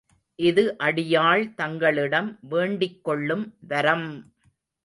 இது அடியாள் தங்களிடம் வேண்டிக்கொள்ளும் வரம்!